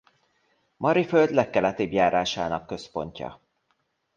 Mariföld legkeletibb járásának központja.